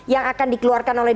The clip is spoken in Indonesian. yang akan dikeluarkan oleh